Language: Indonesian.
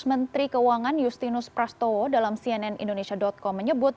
menteri keuangan justinus prastowo dalam cnn indonesia com menyebut